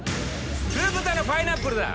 酢豚のパイナップルだ。